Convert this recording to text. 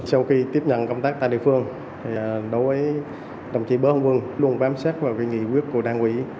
sau khi tiếp nhận công tác tại địa phương đối với đồng chí bớn quân luôn bám sát vào nghị quyết của đảng quỹ